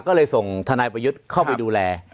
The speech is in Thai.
ก็เลยส่งทนายประยุทธ์เข้าไปดูแล